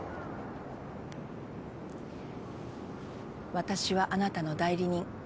わたしはあなたの代理人。